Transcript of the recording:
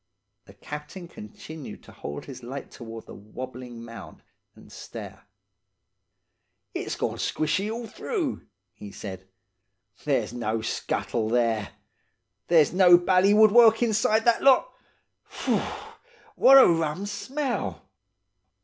The captain continued to hold his light towards the wobbling mound and stare. "'It's gone squashy all through,' he said. 'There's no scuttle there. There's no bally woodwork inside that lot! Phoo! What a rum smell!